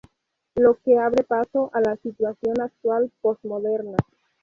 Lo que abre paso a la situación actual posmoderna.